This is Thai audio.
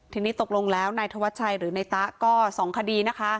ที่นี่ตกลงแล้วในตัวไชห์หรือในตาก็๒คดีนะคะ